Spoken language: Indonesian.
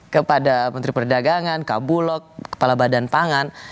kepada menteri perdagangan kabulok kepala badan pangan